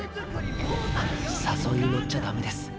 誘いに乗っちゃダメです。